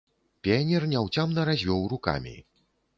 Піянер няўцямна развёў рукамі.